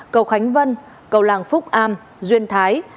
cầu khánh vân cầu làng phúc am duyên thái